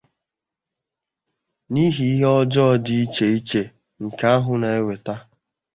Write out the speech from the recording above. n'ihi ihe ọjọọ dị iche iche nke ahụ na-ewèta